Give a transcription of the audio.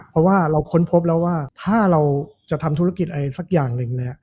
เพราะว่าเราค้นพบแล้วว่าถ้าเราจะทำธุรกิจอะไรสักอย่างหนึ่งเนี่ย